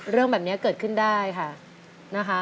เรื่องแบบนี้เกิดขึ้นได้ค่ะนะคะ